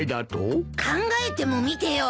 考えてもみてよ。